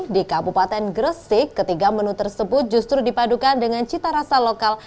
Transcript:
di kabupaten gresik ketiga menu tersebut justru dipadukan dengan cita rasa lokal